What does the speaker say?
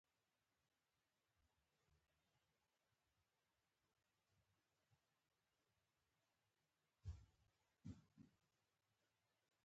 افغانان عاشقان دي او د مينې مريدان دي.